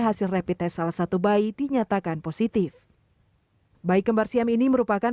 hasil repit tes salah satu bayi dinyatakan positif baik kembar siang ini merupakan